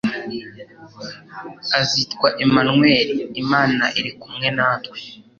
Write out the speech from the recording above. «Azitwa Emmanuel.... Imana iri kumwe natwe'.»